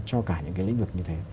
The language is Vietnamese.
cho cả những cái lĩnh vực như thế